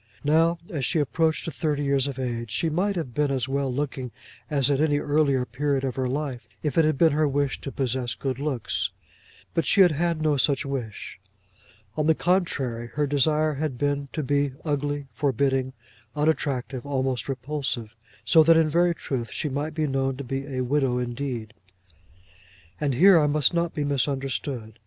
Now, as she approached to thirty years of age, she might have been as well looking as at any earlier period of her life if it had been her wish to possess good looks. But she had had no such wish. On the contrary, her desire had been to be ugly, forbidding, unattractive, almost repulsive; so that, in very truth, she might be known to be a widow indeed. And here I must not be misunderstood.